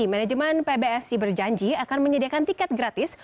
manajemen pbsi berjanji akan menyediakan tiket gratis